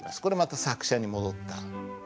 これまた作者に戻った。